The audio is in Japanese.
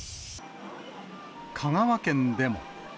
香川県でも。